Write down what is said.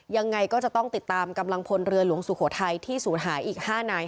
ยังไงก็จะต้องติดตามกำลังพลเรือหลวงสุโขทัยที่ศูนย์หายอีก๕นาย